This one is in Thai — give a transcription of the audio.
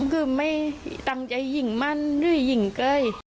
คือไม่ตั้งใจยิงมันหรือหญิงเก้ย